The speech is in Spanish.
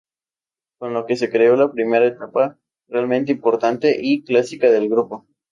Con lo que se creó la primera etapa realmente importante y clásica del grupo.